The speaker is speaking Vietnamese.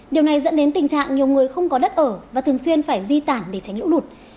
điều này dẫn đến tình trạng nhiều người không có đất ở và thường xuyên phải di tản để tránh lũ lụt